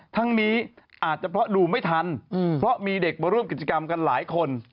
ทั้งนี้อาจจะเพราะดูไม่ทันเพราะมีเด็กมาร่วมกิจกรรมกันหลายคน